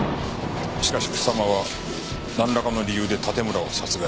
しかし草間はなんらかの理由で盾村を殺害。